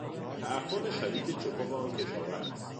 تعفن شدید چپق آن کشاورز